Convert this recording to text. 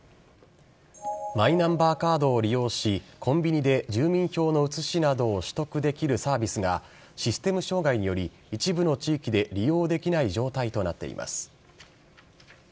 マイナンバーカードを利用し、コンビニで住民票の写しなどを取得できるサービスが、システム障害により、一部の地域で利用できない状態となっています。